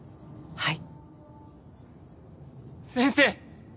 はい。